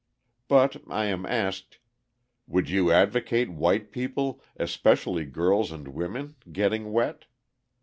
But I am asked, "Would you advocate white people, especially girls and women, getting wet?